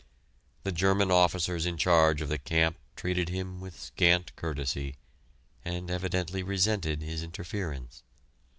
The German officers in charge of the camp treated him with scant courtesy, and evidently resented his interference.